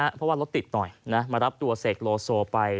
เพราะว่ารถติดหน่อยมารับตัวเสกโลโซไป